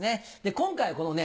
今回はこのね